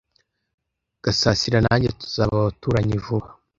Gasasira nanjye tuzaba abaturanyi vuba.